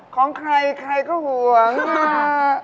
ของใครใครก็ห่วงค่ะ